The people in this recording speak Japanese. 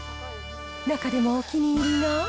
中でもお気に入りは。